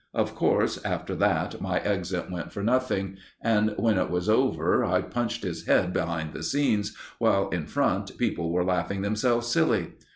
Of course, after that, my exit went for nothing, and when it was over, I punched his head behind the scenes, while in front people were laughing themselves silly.